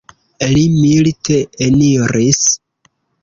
Li milde eniris.